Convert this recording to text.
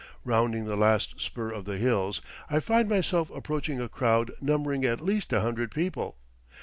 Rounding the last spur of the hills, I find myself approaching a crowd numbering at least a hundred people.